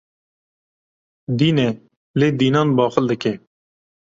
Dîn e lê dînan baqil dike